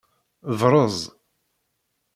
Brez.